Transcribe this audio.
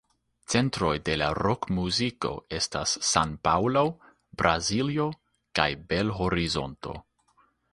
Centroj de la rokmuziko estas San-Paŭlo, Braziljo kaj Bel-Horizonto.